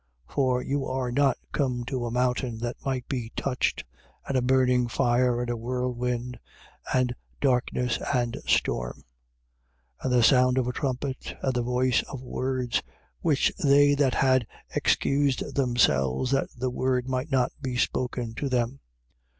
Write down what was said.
For you are not come to a mountain that might be touched and a burning fire and a whirlwind and darkness and storm, 12:19. And the sound of a trumpet and the voice of words, which they that had excused themselves, that the word might not be spoken to them.